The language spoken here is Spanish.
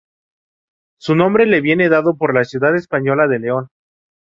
Su nombre le viene dado por la ciudad española de León.